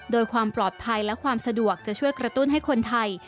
โดยความปลอดภัยและความสะดวกจะช่วยกระตุ้นให้คนไทย